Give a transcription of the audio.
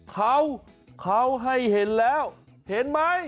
เขาให้เห็นแล้วเห็นมั้ย